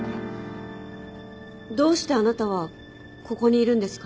どうしてあなたはここにいるんですか？